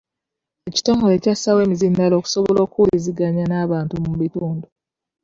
Ekitongole kyassaawo emizindaalo okusobola okuwuliziganya n'abantu mu bitundu.